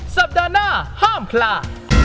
สัปดาห์หน้าห้ามพลาด